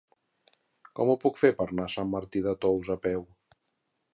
Com ho puc fer per anar a Sant Martí de Tous a peu?